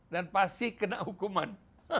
dan pasti kena hukuman